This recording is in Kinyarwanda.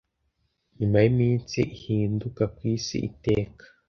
nyuma yiminsi ihinduka kwisi iteka